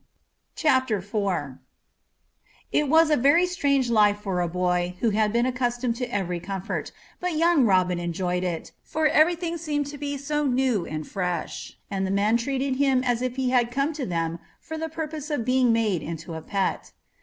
CHAPTER IV It was a very strange life for a boy who had been accustomed to every comfort, but young Robin enjoyed it, for everything seemed to be so new and fresh, and the men treated him as if he had come to them for the purpose of being made into a pet.